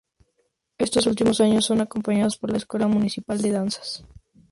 Estos últimos años son acompañados por la escuela municipal de danzas.